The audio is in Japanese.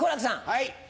はい！